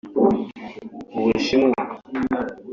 ubushinwa